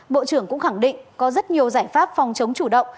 bộ trưởng cũng khẳng định có rất nhiều giải pháp phòng chống chủ động